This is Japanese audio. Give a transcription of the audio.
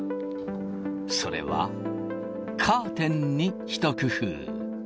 それは、カーテンに一工夫。